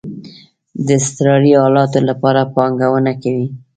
د اضطراری حالاتو لپاره پانګونه کوئ؟